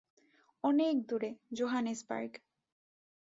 অনেক দূরে, জোহানেসবার্গ।